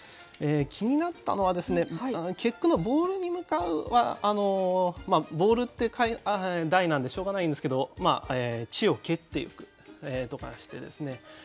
気になったのは結句の「ボールに向かう」はあのまあ「ボール」って題なんでしょうがないんですけど「地を蹴ってゆく」とかにしてですね